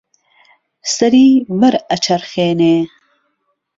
سەری وەرئەچەرخێنێ